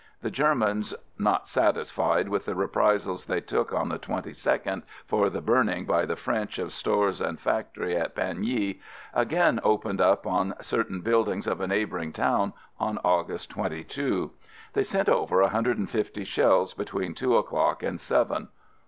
The Germans, not satisfied with the reprisals they took on the 22d for the burning by the French of store and fac tory at Pagny, again opened up on certain buildings of a neighboring town on August 22. They sent over 150 shells between two o'clock and seven.